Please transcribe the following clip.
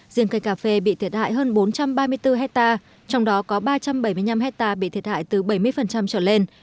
riêng cây cà phê bị thiệt hại hơn bốn trăm ba mươi bốn hectare trong đó có ba trăm bảy mươi năm hectare bị thiệt hại từ bảy mươi trở lên